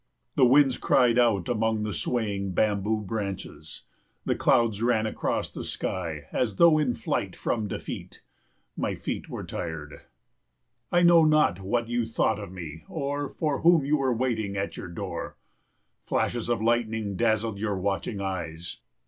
The winds cried out among the swaying bamboo branches. The clouds ran across the sky as though in the flight from defeat. My feet were tired. I know not what you thought of me or for whom you were waiting at your door. Flashes of lightning dazzled your watching eyes.